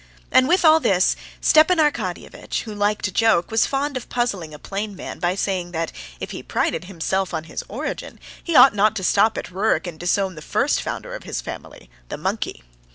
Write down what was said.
And with all this, Stepan Arkadyevitch, who liked a joke, was fond of puzzling a plain man by saying that if he prided himself on his origin, he ought not to stop at Rurik and disown the first founder of his family—the monkey.